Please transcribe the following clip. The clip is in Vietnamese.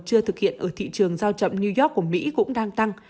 chưa thực hiện ở thị trường giao chậm new york của mỹ cũng đang tăng